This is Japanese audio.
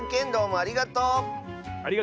ありがとう！